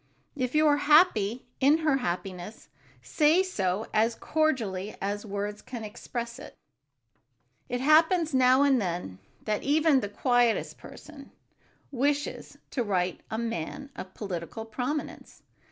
If you are happy in her happiness, say so as cordially as words can express it. It happens now and then that even the quietest person wishes to write to a man of political prominence.